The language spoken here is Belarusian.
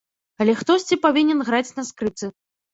Але хтосьці павінен граць на скрыпцы.